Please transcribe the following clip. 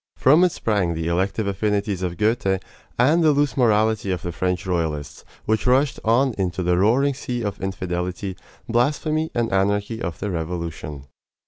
From it sprang the "elective affinities" of Goethe, and the loose morality of the French royalists, which rushed on into the roaring sea of infidelity, blasphemy, and anarchy of the Revolution.